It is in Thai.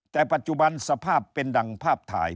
แต่ปัจจุบันสภาพเป็นดังภาพถ่าย